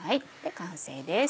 完成です。